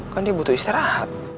kan dia butuh istirahat